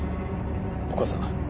お義母さん